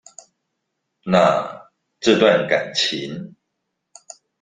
那這段感情